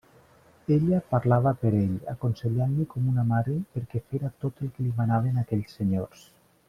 Ella parlava per ell, aconsellant-li com una mare perquè fera tot el que li manaven aquells senyors.